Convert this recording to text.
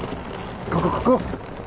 ここここ。